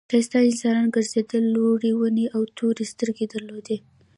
ښایسته انسانان گرځېدل لوړې ونې او تورې سترګې درلودې.